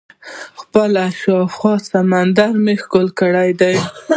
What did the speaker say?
خپل شاوخوا سمندر مې ښکل کړی دئ.